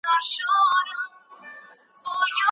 حق پالنه د مېړنیو خلکو خصلت دی.